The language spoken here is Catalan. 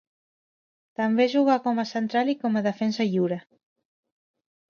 També jugà com a central i com a defensa lliure.